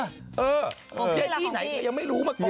ของเธอที่ไหนก็ยังไม่รู้มาก่อนเลย